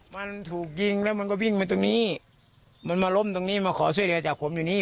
มันถูกยิงแล้วมันก็วิ่งมาตรงนี้มันมาล้มตรงนี้มาขอช่วยเหลือจากผมอยู่นี่